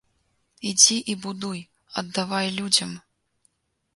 Ідзі і будуй, аддавай людзям.